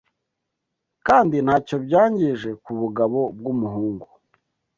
kandi nta cyo byangije ku bugabo bw’umuhungu,